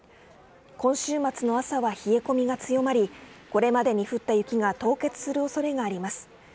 今週末の朝は冷え込みが強まりこれまでに降った雪が凍結する恐れがあります。